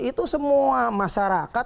itu semua masyarakat